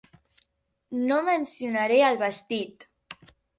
No mencionaré el vestit.